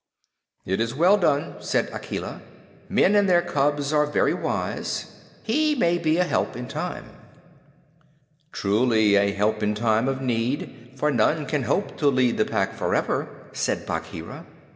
"It was well done," said Akela. "Men and their cubs are very wise. He may be a help in time." "Truly, a help in time of need; for none can hope to lead the Pack forever," said Bagheera.